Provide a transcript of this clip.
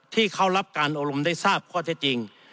ที่เขารับการอบรมได้ทราบข้อเท็จจริง